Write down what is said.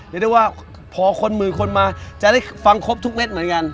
เรียกได้ว่าพอคนหมื่นคนมาจะได้ฟังครบทุกเม็ดเหมือนกัน